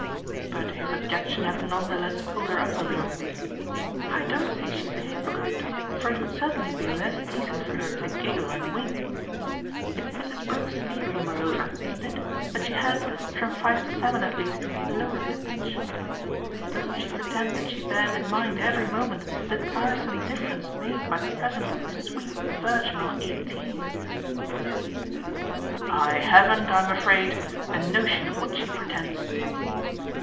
But his objection had none the less pulled her up a little. "I don't say she's a hypocrite, for it would certainly be less decent for her to giggle and wink. It's Mrs. Brook's theory moreover, isn't it? that she has, from five to seven at least, lowered the pitch. Doesn't she pretend that she bears in mind every moment the tiresome difference made by the presence of sweet virginal eighteen?" "I haven't, I'm afraid, a notion of what she pretends!"